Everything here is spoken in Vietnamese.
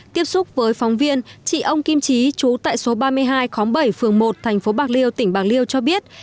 tiếp xúc với phóng viên chị ông kim trí trú tại số ba mươi hai khóm bảy phường một thành phố bạc liêu tỉnh bạc liêu cho biết